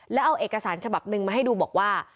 แล้วเอาเอกสารฉบับหนึ่งมาให้ดูบอกว่า